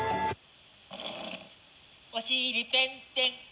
おしりペンペン！